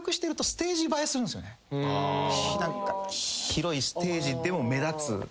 広いステージでも目立つ。